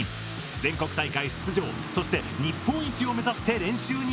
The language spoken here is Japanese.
全国大会出場そして日本一を目指して練習に励んでいる。